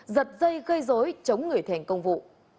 giật dây gây dối chống người thành công vụ